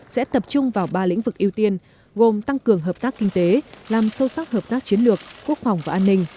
sẽ tập trung vào ba lĩnh vực ưu tiên gồm tăng cường hợp tác kinh tế làm sâu sắc hợp tác chiến lược quốc phòng và an ninh